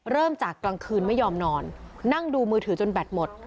เริ่มจากกลางคืนไม่ยอมนอนนั่งดูมือถือจนแบตหมด